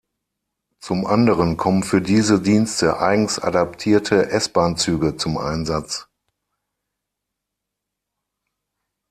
Zum anderen kommen für diese Dienste eigens adaptierte S-Bahn-Züge zum Einsatz.